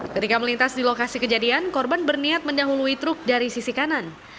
ketika melintas di lokasi kejadian korban berniat mendahului truk dari sisi kanan